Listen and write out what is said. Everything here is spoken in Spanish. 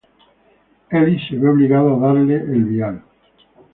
Ellis se ve obligado a darle el vial.